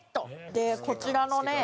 でこちらのね